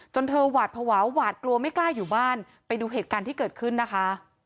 เธอหวาดภาวะหวาดกลัวไม่กล้าอยู่บ้านไปดูเหตุการณ์ที่เกิดขึ้นนะคะ